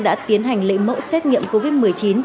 đã tiến hành lấy mẫu xét nghiệm covid một mươi chín